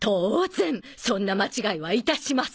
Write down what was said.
そんな間違いはいたしません！